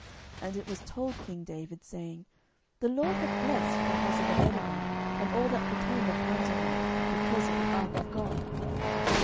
10:006:012 And it was told king David, saying, The LORD hath blessed the house of Obededom, and all that pertaineth unto him, because of the ark of God.